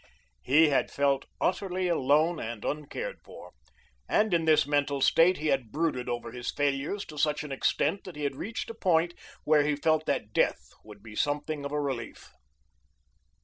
He had felt utterly alone and uncared for, and in this mental state he had brooded over his failures to such an extent that he had reached a point where he felt that death would be something of a relief.